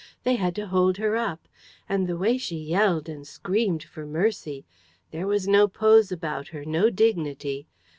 They had to hold her up. And the way she yelled and screamed for mercy! There was no pose about her, no dignity.